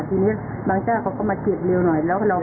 ทีนี้บางจ้าเขาก็มาเกียรติเร็วหน่อยแล้วเราก็บอกว่า